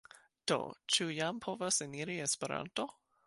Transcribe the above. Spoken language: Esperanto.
Do, ĉu jam povas eniri Esperanto?